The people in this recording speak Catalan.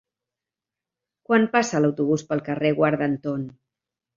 Quan passa l'autobús pel carrer Guarda Anton?